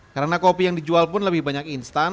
karena kopi yang dijual pun lebih banyak instan